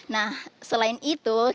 nah selain itu